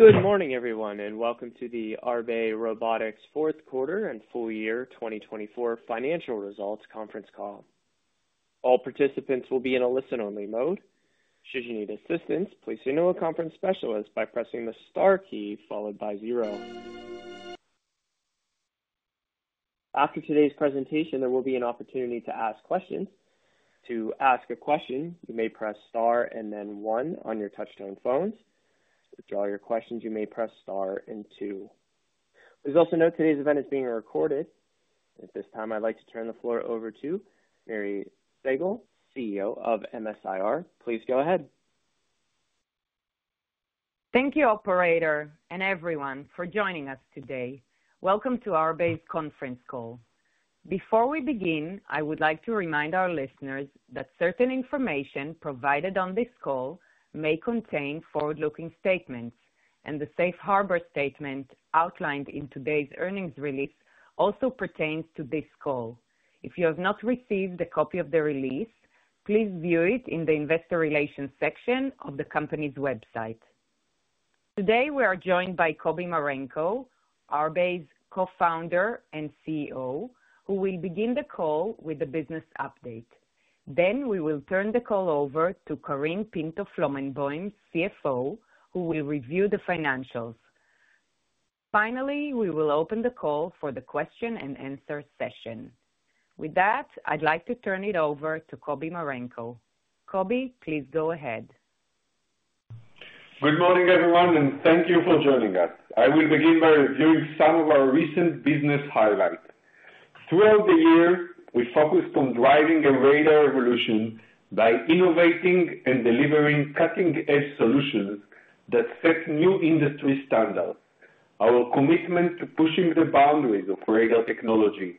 Good morning, everyone, and welcome to the Arbe Robotics fourth quarter and full year 2024 financial results conference call. All participants will be in a listen-only mode. Should you need assistance, please say no to a conference specialist by pressing the star key followed by zero. After today's presentation, there will be an opportunity to ask questions. To ask a question, you may press star and then one on your touch-tone phones. To draw your questions, you may press star and two. Please also note today's event is being recorded. At this time, I'd like to turn the floor over to Miri Segal, CEO of MS-IR. Please go ahead. Thank you, Operator, and everyone for joining us today. Welcome to our Arbe's conference call. Before we begin, I would like to remind our listeners that certain information provided on this call may contain forward-looking statements, and the safe harbor statement outlined in today's earnings release also pertains to this call. If you have not received a copy of the release, please view it in the investor relations section of the company's website. Today, we are joined by Kobi Marenko, Arbe's Co-founder and CEO, who will begin the call with a business update. Then, we will turn the call over to Karine Pinto-Flomenboim, CFO, who will review the financials. Finally, we will open the call for the question and answer session. With that, I'd like to turn it over to Kobi Marenko. Kobi, please go ahead. Good morning, everyone, and thank you for joining us. I will begin by reviewing some of our recent business highlights. Throughout the year, we focused on driving a radar evolution by innovating and delivering cutting-edge solutions that set new industry standards. Our commitment to pushing the boundaries of radar technology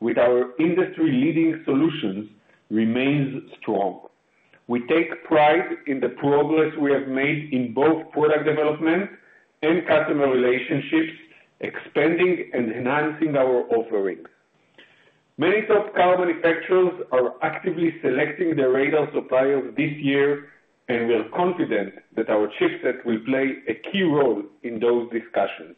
with our industry-leading solutions remains strong. We take pride in the progress we have made in both product development and customer relationships, expanding and enhancing our offerings. Many top car manufacturers are actively selecting the radar suppliers this year, and we are confident that our chipset will play a key role in those discussions.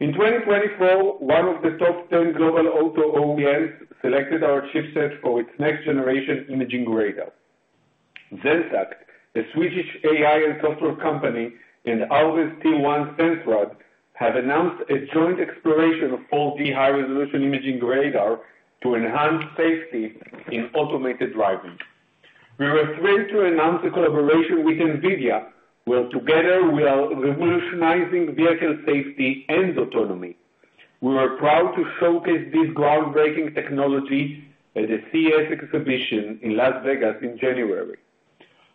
In 2024, one of the top 10 global auto OEMs selected our chipset for its next-generation imaging radar. Zenseact, a Swedish AI and software company, and Arbe's Tier 1 Sensrad have announced a joint exploration of 4D high-resolution imaging radar to enhance safety in automated driving. We were thrilled to announce a collaboration with NVIDIA, where together we are revolutionizing vehicle safety and autonomy. We were proud to showcase this groundbreaking technology at the CES exhibition in Las Vegas in January.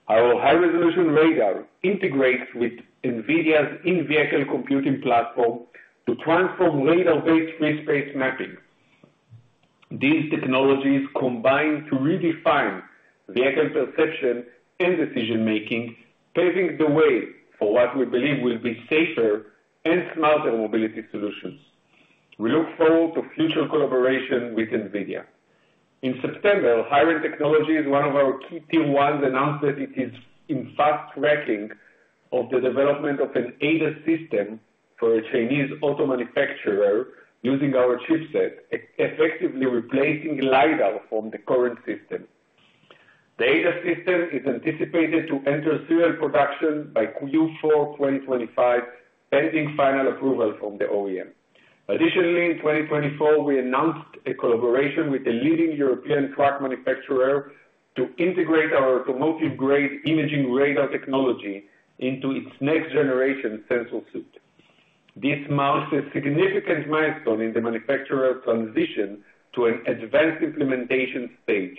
Our high-resolution radar integrates with NVIDIA's in-vehicle computing platform to transform radar-based free space mapping. These technologies combine to redefine vehicle perception and decision-making, paving the way for what we believe will be safer and smarter mobility solutions. We look forward to future collaboration with NVIDIA. In September, HiRain Technologies, one of our key Tier 1s, announced that it is in fast tracking of the development of an ADAS system for a Chinese auto manufacturer using our chipset, effectively replacing LiDAR from the current system. The ADAS system is anticipated to enter serial production by Q4 2025, pending final approval from the OEM. Additionally, in 2024, we announced a collaboration with a leading European truck manufacturer to integrate our automotive-grade imaging radar technology into its next-generation sensor suite. This marks a significant milestone in the manufacturer's transition to an advanced implementation stage.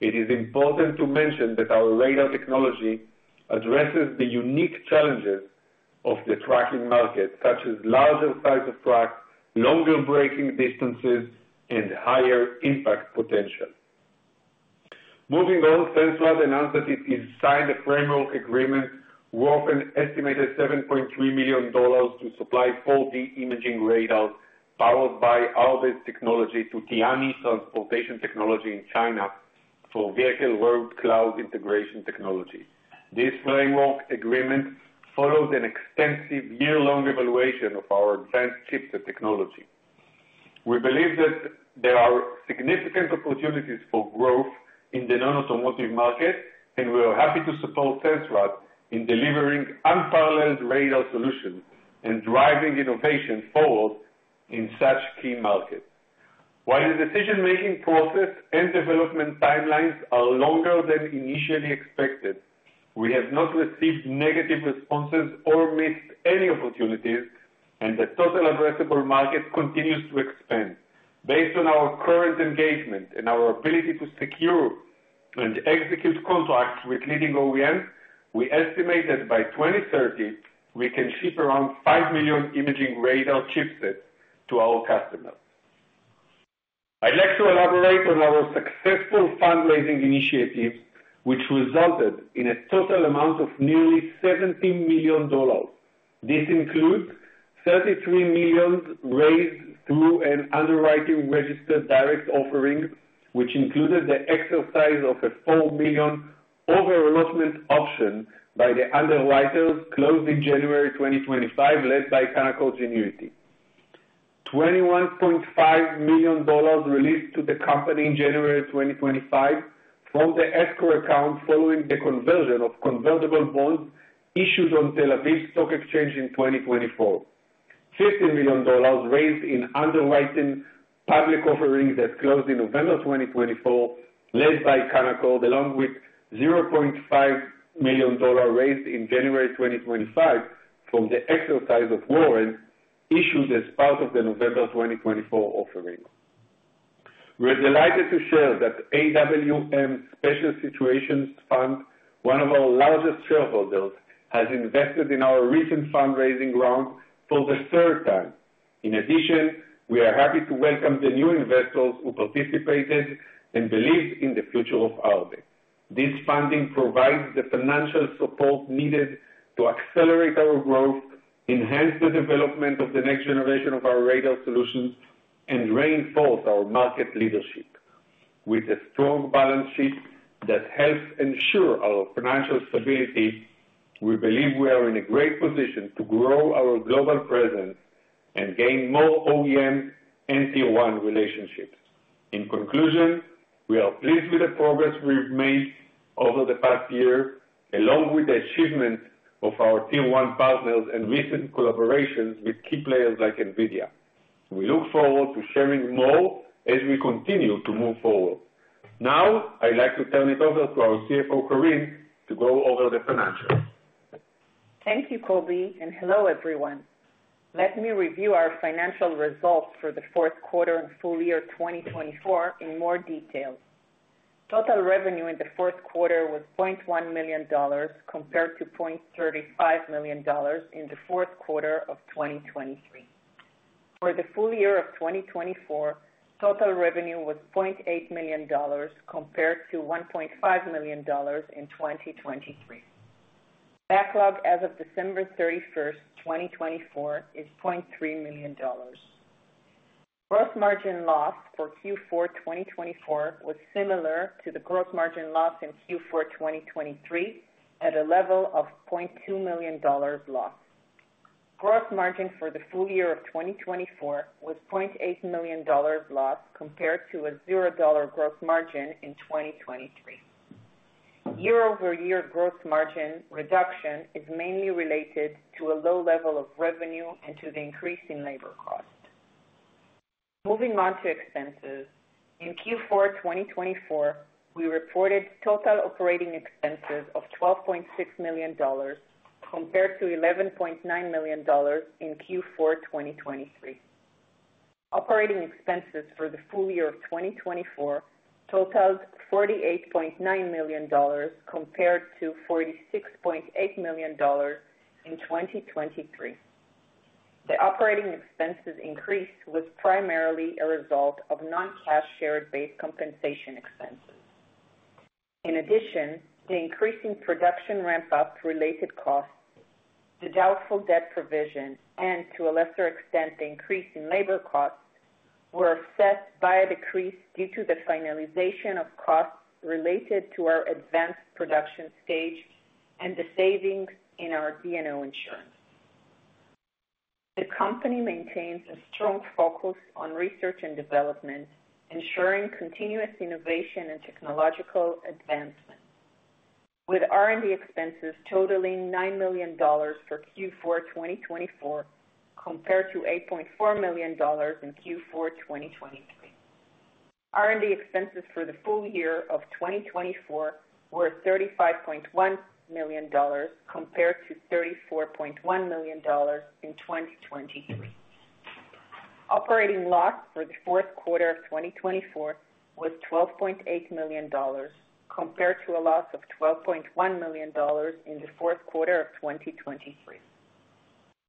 It is important to mention that our radar technology addresses the unique challenges of the trucking market, such as larger size of trucks, longer braking distances, and higher impact potential. Moving on, Sensrad announced that it has signed a framework agreement worth an estimated $7.3 million to supply 4D imaging radars powered by Arbe's technology to Tianyi Transportation Technology in China for vehicle-road cloud integration technology. This framework agreement follows an extensive year-long evaluation of our advanced chipset technology. We believe that there are significant opportunities for growth in the non-automotive market, and we are happy to support Sensrad in delivering unparalleled radar solutions and driving innovation forward in such key markets. While the decision-making process and development timelines are longer than initially expected, we have not received negative responses or missed any opportunities, and the total addressable market continues to expand. Based on our current engagement and our ability to secure and execute contracts with leading OEMs, we estimate that by 2030, we can ship around 5 million imaging radar chipsets to our customers. I'd like to elaborate on our successful fundraising initiatives, which resulted in a total amount of nearly $17 million. This includes $33 million raised through an underwritten registered direct offering, which included the exercise of a $4 million overallotment option by the underwriters closed in January 2025, led by Canaccord Genuity. $21.5 million released to the company in January 2025 from the escrow account following the conversion of convertible bonds issued on Tel Aviv Stock Exchange in 2024. $15 million raised in underwritten public offerings that closed in November 2024, led by Canaccord Genuity, along with $0.5 million raised in January 2025 from the exercise of warrants issued as part of the November 2024 offering. We are delighted to share that AWM Special Situations Fund, one of our largest shareholders, has invested in our recent fundraising round for the third time. In addition, we are happy to welcome the new investors who participated and believed in the future of Arbe. This funding provides the financial support needed to accelerate our growth, enhance the development of the next generation of our radar solutions, and reinforce our market leadership. With a strong balance sheet that helps ensure our financial stability, we believe we are in a great position to grow our global presence and gain more OEM and Tier 1 relationships. In conclusion, we are pleased with the progress we've made over the past year, along with the achievements of our Tier 1 partners and recent collaborations with key players like NVIDIA. We look forward to sharing more as we continue to move forward. Now, I'd like to turn it over to our CFO, Karine, to go over the financials. Thank you, Kobi, and hello, everyone. Let me review our financial results for the fourth quarter and full year 2024 in more detail. Total revenue in the fourth quarter was $0.1 million compared to $0.35 million in the fourth quarter of 2023. For the full year of 2024, total revenue was $0.8 million compared to $1.5 million in 2023. Backlog as of December 31st, 2024, is $0.3 million. Gross margin loss for Q4 2024 was similar to the gross margin loss in Q4 2023 at a level of $0.2 million loss. Gross margin for the full year of 2024 was $0.8 million loss compared to a $0 gross margin in 2023. Year-over-year gross margin reduction is mainly related to a low level of revenue and to the increase in labor costs. Moving on to expenses, in Q4 2024, we reported total operating expenses of $12.6 million compared to $11.9 million in Q4 2023. Operating expenses for the full year of 2024 totaled $48.9 million compared to $46.8 million in 2023. The operating expenses increase was primarily a result of non-cash share-based compensation expenses. In addition, the increase in production ramp-up related costs, the doubtful debt provision, and to a lesser extent, the increase in labor costs were set by a decrease due to the finalization of costs related to our advanced production stage and the savings in our D&O insurance. The company maintains a strong focus on research and development, ensuring continuous innovation and technological advancement, with R&D expenses totaling $9 million for Q4 2024 compared to $8.4 million in Q4 2023. R&D expenses for the full year of 2024 were $35.1 million compared to $34.1 million in 2023. Operating loss for the fourth quarter of 2024 was $12.8 million compared to a loss of $12.1 million in the fourth quarter of 2023.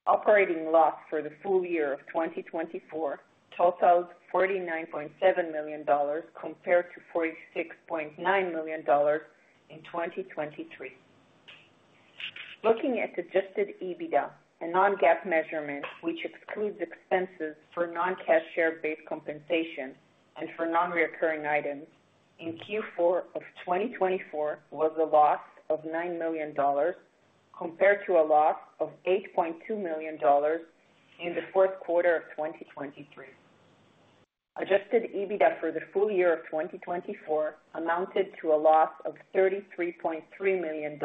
Operating loss for the full year of 2024 totaled $49.7 million compared to $46.9 million in 2023. Looking at adjusted EBITDA, a non-GAAP measurement which excludes expenses for non-cash share-based compensation and for non-recurring items in Q4 of 2024, was a loss of $9 million compared to a loss of $8.2 million in the fourth quarter of 2023. Adjusted EBITDA for the full year of 2024 amounted to a loss of $33.3 million,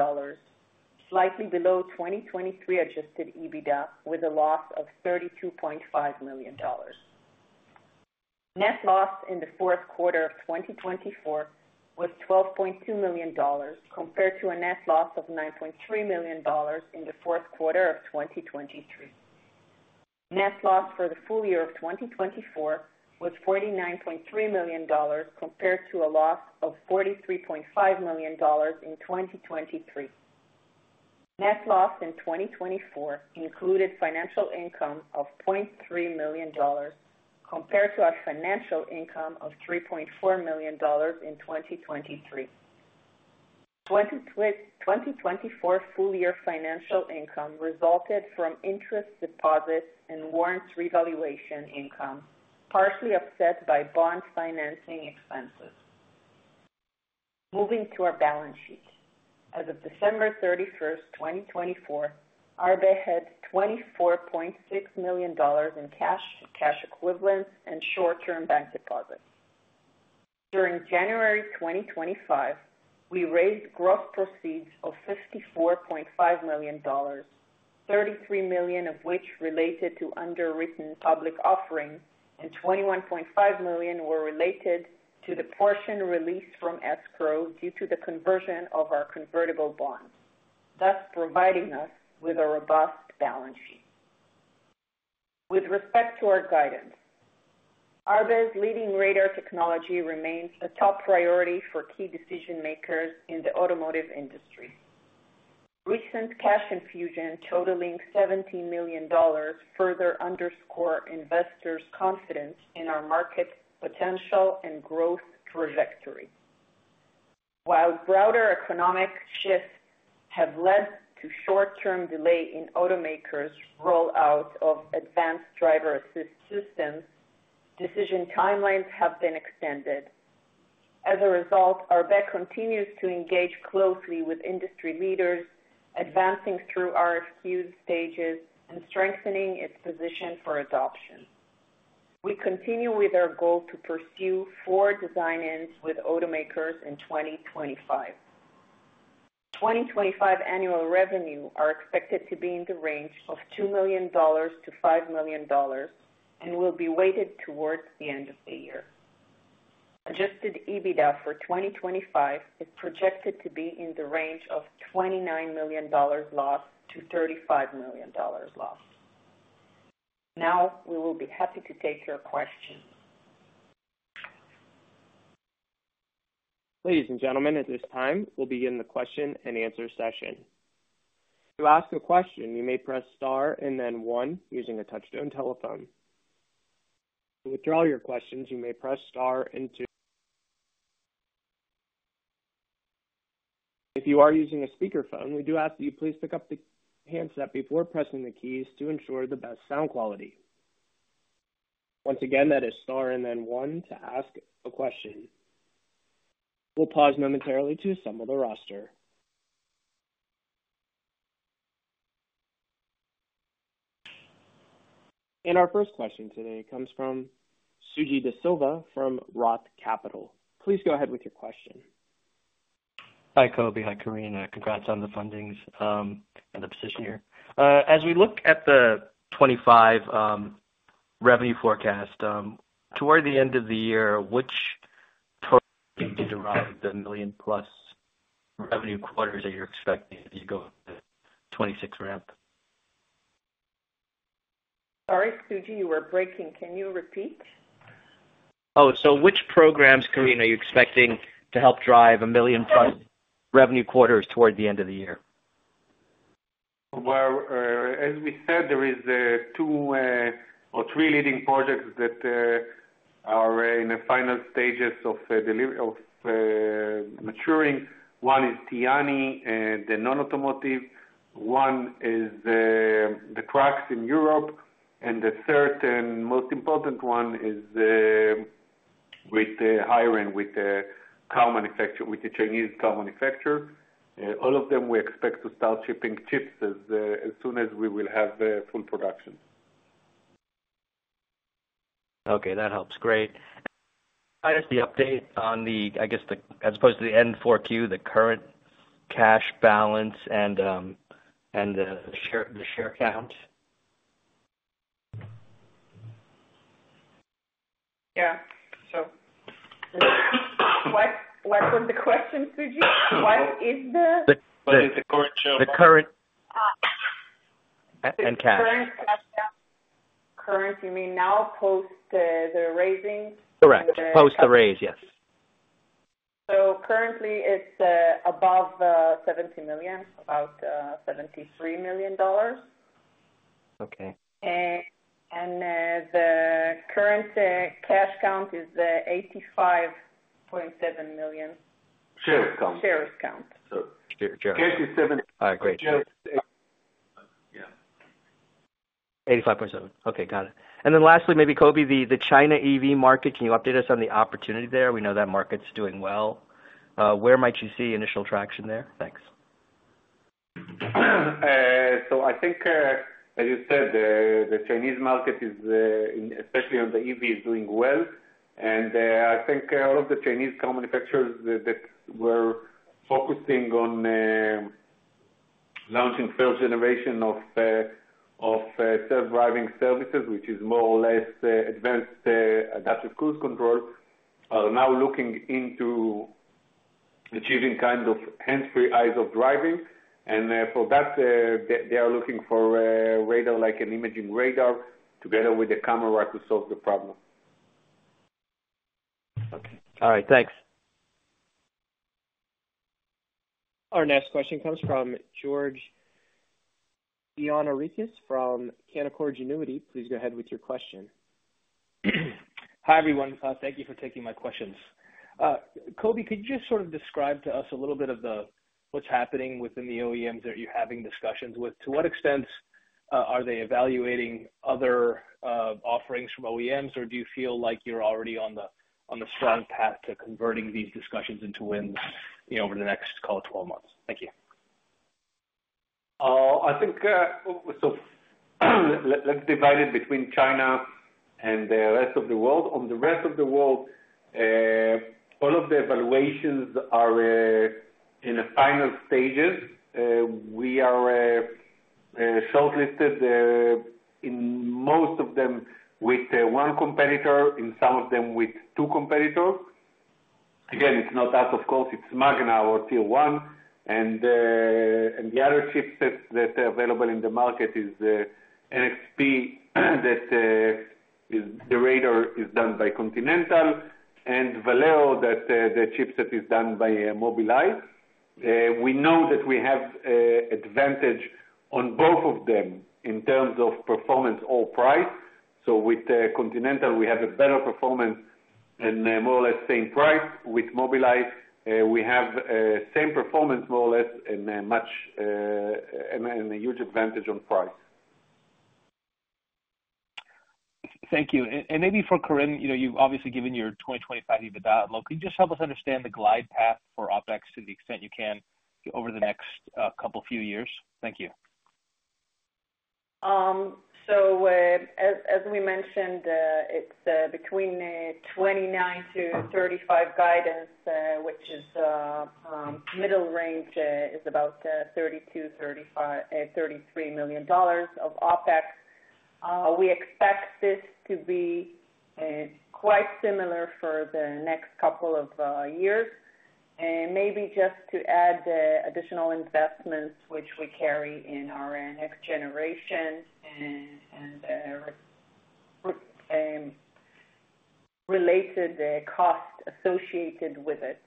slightly below 2023 adjusted EBITDA with a loss of $32.5 million. Net loss in the fourth quarter of 2024 was $12.2 million compared to a net loss of $9.3 million in the fourth quarter of 2023. Net loss for the full year of 2024 was $49.3 million compared to a loss of $43.5 million in 2023. Net loss in 2024 included financial income of $0.3 million compared to our financial income of $3.4 million in 2023. 2024 full year financial income resulted from interest deposits and warrants revaluation income, partially offset by bond financing expenses. Moving to our balance sheet, as of December 31, 2024, Arbe had $24.6 million in cash, cash equivalents, and short-term bank deposits. During January 2025, we raised gross proceeds of $54.5 million, $33 million of which related to underwritten public offerings, and $21.5 million were related to the portion released from escrow due to the conversion of our convertible bonds, thus providing us with a robust balance sheet. With respect to our guidance, Arbe's leading radar technology remains a top priority for key decision-makers in the automotive industry. Recent cash infusion totaling $17 million further underscores investors' confidence in our market potential and growth trajectory. While broader economic shifts have led to short-term delay in automakers' rollout of advanced driver assist systems, decision timelines have been extended. As a result, Arbe continues to engage closely with industry leaders, advancing through RFQ stages and strengthening its position for adoption. We continue with our goal to pursue four design-ins with automakers in 2025. 2025 annual revenue is expected to be in the range of $2 million-$5 million and will be weighted towards the end of the year. Adjusted EBITDA for 2025 is projected to be in the range of $29 million loss-$35 million loss. Now, we will be happy to take your questions. Ladies and gentlemen, at this time, we'll begin the question and answer session. To ask a question, you may press star and then one using a touch-tone telephone. To withdraw your questions, you may press star and two. If you are using a speakerphone, we do ask that you please pick up the handset before pressing the keys to ensure the best sound quality. Once again, that is star and then one to ask a question. We'll pause momentarily to assemble the roster. Our first question today comes from Suji Desilva from Roth Capital. Please go ahead with your question. Hi, Kobi. Hi, Karine. Congrats on the fundings and the position here. As we look at the 2025 revenue forecast, toward the end of the year, which program do you derive the million-plus revenue quarters that you're expecting as you go into 2026 ramp? Sorry, Suji, you were breaking. Can you repeat? Oh, so which programs, Karine, are you expecting to help drive a million-plus revenue quarters toward the end of the year? As we said, there are two or three leading projects that are in the final stages of maturing. One is Tianyi, the non-automotive. One is the trucks in Europe. The third and most important one is with the HiRain with the Chinese car manufacturer. All of them, we expect to start shipping chips as soon as we will have full production. Okay. That helps. Great. I just need updates on the, I guess, as opposed to the end 4Q, the current cash balance and the share count. Yeah. What was the question, Suji? What is the? The current share of. The current and cash. Current cash, yeah. Current, you mean now post the raising? Correct. Post the raise, yes. Currently, it's above $70 million, about $73 million. Okay. The current cash count is $85.7 million. Shares count. Shares count. Shares is 70. All right. Great. Shares is 85.7. 85.7. Okay. Got it. Lastly, maybe, Kobi, the China EV market, can you update us on the opportunity there? We know that market's doing well. Where might you see initial traction there? Thanks. I think, as you said, the Chinese market is, especially on the EV, doing well. I think all of the Chinese car manufacturers that were focusing on launching first generation of self-driving services, which is more or less advanced adaptive cruise control, are now looking into achieving kind of hands-free eyes-off driving. For that, they are looking for radar like an imaging radar together with a camera to solve the problem. Okay. All right. Thanks. Our next question comes from George Gianarikas from Canaccord Genuity. Please go ahead with your question. Hi, everyone. Thank you for taking my questions. Kobi, could you just sort of describe to us a little bit of what's happening within the OEMs that you're having discussions with? To what extent are they evaluating other offerings from OEMs, or do you feel like you're already on the strong path to converting these discussions into wins over the next, call it, 12 months? Thank you. I think, so let's divide it between China and the rest of the world. On the rest of the world, all of the evaluations are in the final stages. We are shortlisted in most of them with one competitor, in some of them with two competitors. Again, it's not out of course. It's Magna or Tier 1. And the other chipsets that are available in the market is NXP that the radar is done by Continental, and Valeo that the chipset is done by Mobileye. We know that we have advantage on both of them in terms of performance or price. With Continental, we have a better performance and more or less same price. With Mobileye, we have same performance, more or less, and a huge advantage on price. Thank you. Maybe for Karine, you've obviously given your 2025 EBITDA outlook. Could you just help us understand the glide path for OpEx to the extent you can over the next couple of few years? Thank you. As we mentioned, it's between $29 million-$35 million guidance, which is middle range, is about $32 million, $33 million of OpEx. We expect this to be quite similar for the next couple of years, and maybe just to add additional investments, which we carry in our next generation and related costs associated with it.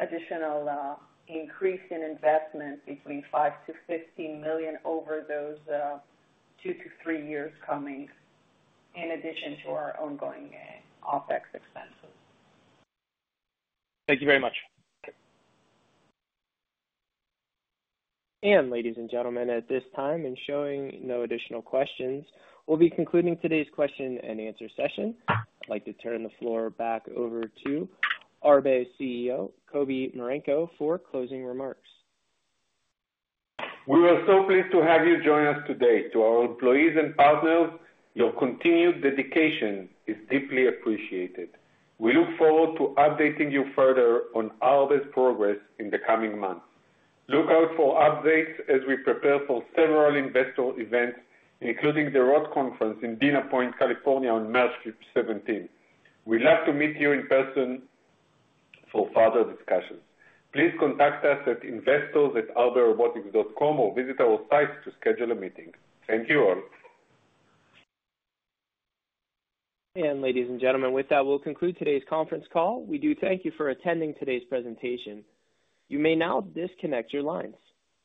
Additional increase in investment between $5 million-$15 million over those two to three years coming in addition to our ongoing OpEx expenses. Thank you very much. Thank you. Ladies and gentlemen, at this time, and showing no additional questions, we will be concluding today's question and answer session. I'd like to turn the floor back over to Arbe CEO, Kobi Marenko, for closing remarks. We are so pleased to have you join us today. To our employees and partners, your continued dedication is deeply appreciated. We look forward to updating you further on Arbe's progress in the coming months. Look out for updates as we prepare for several investor events, including the Roth Conference in Dana Point, California, on March 17. We'd love to meet you in person for further discussions. Please contact us at investors@arberobotics.com or visit our site to schedule a meeting. Thank you all. Ladies and gentlemen, with that, we'll conclude today's conference call. We do thank you for attending today's presentation. You may now disconnect your lines.